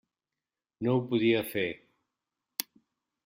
No ho podia fer.